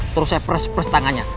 terus saya press press tangannya